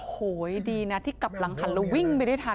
โหยดีนะที่กลับหลังหันแล้ววิ่งไปได้ทัน